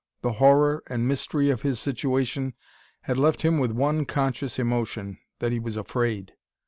The horror and mystery of his situation had left him with one conscious emotion, that he was afraid.